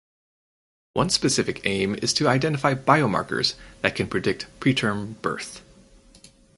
One specific aim is to identify biomarkers that can predict preterm birth.